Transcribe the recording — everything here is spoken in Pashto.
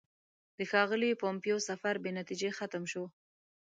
د ښاغلي پومپیو سفر بې نتیجې ختم شو.